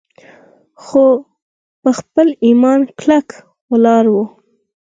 خو پۀ خپل ايمان کلک ولاړ وو